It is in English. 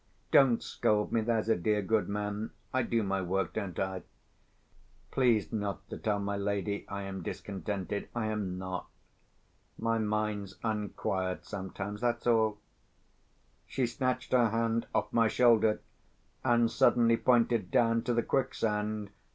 Don't scold me, there's a dear good man. I do my work, don't I? Please not to tell my lady I am discontented—I am not. My mind's unquiet, sometimes, that's all." She snatched her hand off my shoulder, and suddenly pointed down to the quicksand.